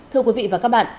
thưa quý vị và các bạn